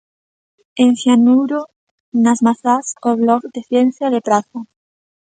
En Cianuro nas Mazás, o blog de ciencia de Praza.